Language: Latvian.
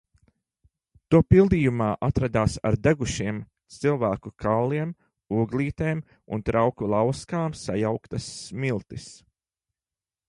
To pildījumā atradās ar degušiem cilvēku kauliem, oglītēm un trauku lauskām sajauktas smiltis.